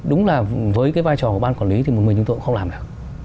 đúng là với cái vai trò của ban quản lý thì một mình chúng tôi cũng không làm được